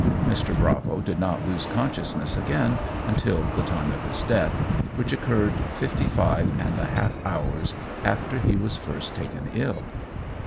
Mr. Bravo did not lose consciousness again until the time of his death, which occurred fifty five and a half hours after he was first taken ill.